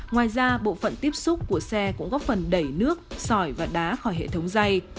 ngoài ra bộ phận tiếp xúc của xe cũng góp phần đẩy nước sỏi và đá khỏi hệ thống dây